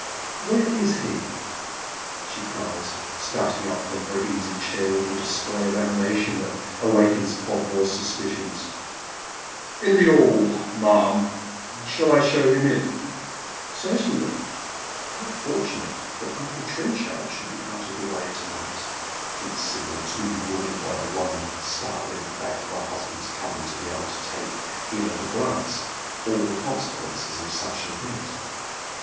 "Where is he?" she cries, starting up from her easy chair with a display of animation that awakens Podmore's suspicions. " In the 'all, ma'am. Shall I show him in ?"♦' Certainly." " How fortunate that uncle Trenchard should be out of the way to night I " thinks Sibyl, too bewildered by the one startling fact of her husband's coming to be able to take in at a glance all the consequences of such an event.